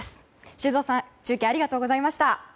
修造さん中継ありがとうございました。